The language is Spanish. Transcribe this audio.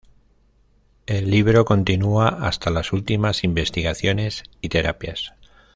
El libro continúa hasta las últimas investigaciones y terapias.